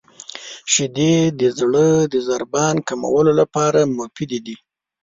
• شیدې د زړه د ضربان کمولو لپاره مفیدې دي.